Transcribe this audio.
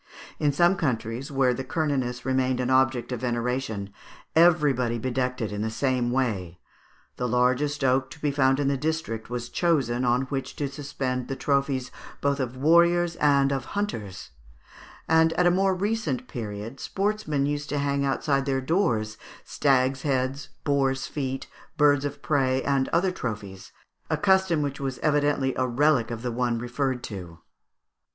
In some countries, where the Cernunnos remained an object of veneration, everybody bedecked it in the same way. The largest oak to be found in the district was chosen on which to suspend the trophies both of warriors and of hunters; and, at a more recent period, sportsmen used to hang outside their doors stags' heads, boars' feet, birds of prey, and other trophies, a custom which evidently was a relic of the one referred to.